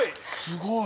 すごい。